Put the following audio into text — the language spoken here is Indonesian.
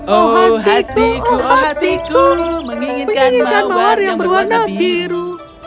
oh hatiku hatiku menginginkan mawar yang berwarna biru